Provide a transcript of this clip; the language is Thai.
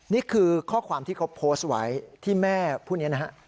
นี่คือข้อความที่เขาโพสต์ไว้ที่แม่ผู้นี้นะฮะ